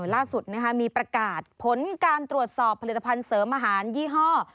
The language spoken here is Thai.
ล่าสุดมีประกาศผลการตรวจสอบผลิตภัณฑ์เสริมอาหารยี่ห้อ